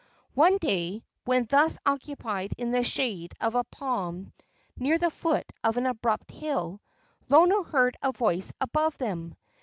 One day, when thus occupied in the shade of a palm near the foot of an abrupt hill, Lono heard a voice above them.